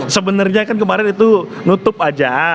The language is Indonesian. sebenarnya kan kemarin itu nutup aja